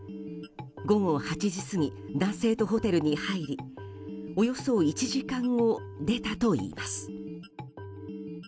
午後８時過ぎ男性とホテルに入りおよそ１時間後出たといいます。